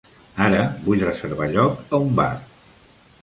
Ara vull reservar lloc a un bar.